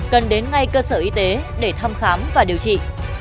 cần đến ngay cơ sở y tế để thăm khám và điều trị